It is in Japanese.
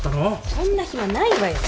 そんな暇ないわよ。